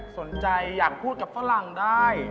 สนใจอยากพูดกับฝรั่งได้